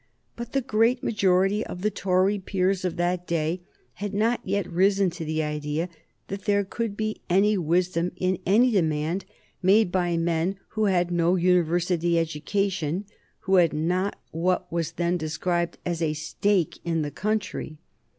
But the great majority of the Tory peers of that day had not yet risen to the idea that there could be any wisdom in any demand made by men who had no university education, who had not what was then described as a stake in the country.